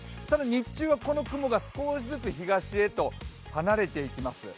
日中はこの雲が少しずつ東へと離れていきます。